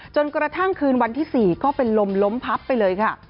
จนกระทั่งคืนวันที่๔ก็เป็นลมล้มพับไปเลยค่ะ